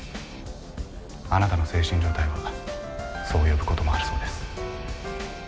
あなたの精神状態はそう呼ぶこともあるそうです。